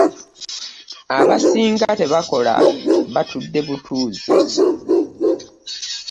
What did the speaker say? Abasinga tebakola batudde butuuzi.